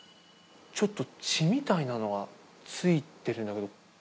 ちょっと血みたいなのが付いてるんだけど。